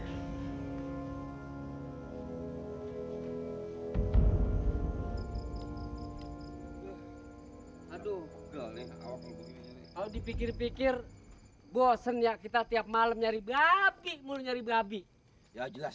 aduh dipikir pikir bosen ya kita tiap malam nyari babi mulu nyari babi ya jelas